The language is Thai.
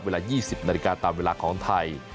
เวลา๒๐นาฬิกาตามเวลาของไทย